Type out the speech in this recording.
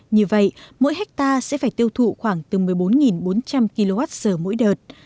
như vậy mỗi hectare sẽ phải tiêu thụ khoảng từ một mươi bốn bốn trăm linh kwh mỗi đợt